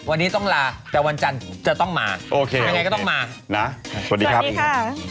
วันนี้ต้องลาแต่วันจันทร์จะต้องมาโอเคยังไงก็ต้องมานะสวัสดีครับ